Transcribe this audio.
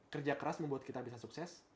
kerja keras membuat kita bisa sukses